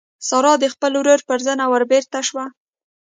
سارا د خپل ورور پر زنه وربېرته شوه.